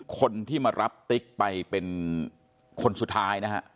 คนที่มารับติ๊กไปเป็นคนสุดท้ายนะฮะ